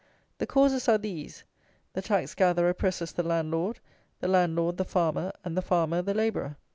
The causes are these: the tax gatherer presses the landlord; the landlord the farmer; and the farmer the labourer.